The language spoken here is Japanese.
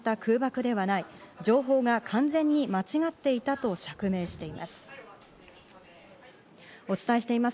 慌てて行った空爆ではない、情報が完全に間違っていたと釈明しています。